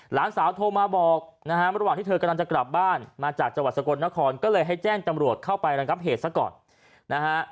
หลานสาวโทรมาบอกนะฮะระหว่างที่เธอกำลังจะกลับบ้านมาจากจังหวัดสกลนครก็เลยให้แจ้งจำรวจเข้าไประงับเหตุซะก่อนนะฮะ